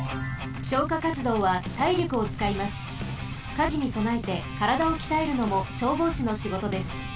火事にそなえてからだをきたえるのも消防士の仕事です。